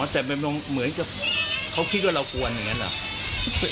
แต่มันเหมือนกับเขาคิดว่าเราควรอย่างนั้นเหรอ